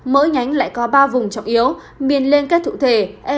mỗi nhánh lại có ba vùng trọng yếu miền liên kết thụ thể